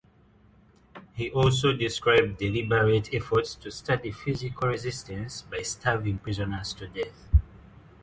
He also described deliberate efforts to study physical resistance by starving prisoners to death.